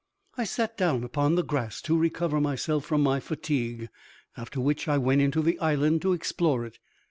I sat down upon the grass, to recover myself from my fatigue, after which I went into the island to explore it.